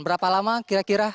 berapa lama kira kira